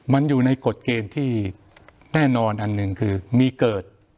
มันอยู่ในกฎเกณฑ์ที่แน่นอนอันหนึ่งคือมีเกิด